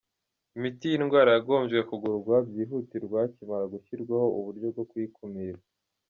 "Imiti y'iyi ndwara yagombye kugurwa byihutirwa hakimara gushyirwaho uburyo bwo kuyikumira.